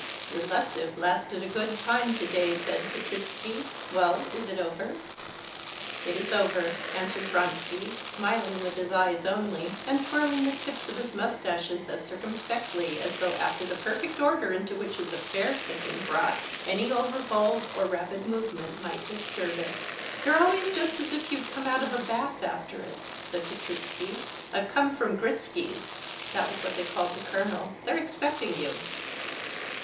Your lessive lasted a good time today," said Petritsky. "Well, is it over?" "It is over," answered Vronsky, smiling with his eyes only, and twirling the tips of his mustaches as circumspectly as though after the perfect order into which his affairs had been brought any over bold or rapid movement might disturb it. "You're always just as if you'd come out of a bath after it," said Petritsky. "I've come from Gritsky's" (that was what they called the colonel); "they're expecting you."